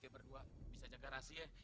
berdua bisa jaga rahasia